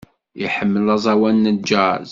Iḥemmel aẓawan n jazz.